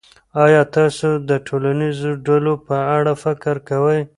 آیا تاسو د ټولنیزو ډلو په اړه فکر کوئ.